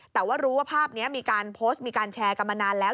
แต่ว่ารู้ว่าภาพนี้มีการโพสต์มีการแชร์กันมานานแล้ว